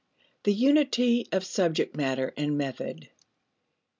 The Unity of Subject Matter and Method.